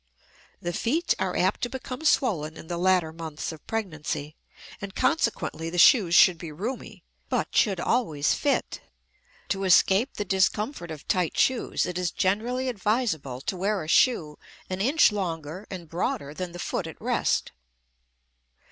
The feet are apt to become swollen in the latter months of pregnancy, and consequently the shoes should be roomy, but should always fit. To escape the discomfort of tight shoes, it is generally advisable to wear a shoe an inch longer and broader than the foot at rest.